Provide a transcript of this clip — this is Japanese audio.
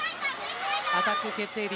アタック決定率